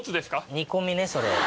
煮込みねそれ。